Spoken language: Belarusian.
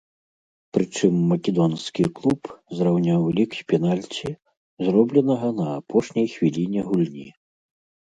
Прычым македонскі клуб зраўняў лік з пенальці, заробленага на апошняй хвіліне гульні.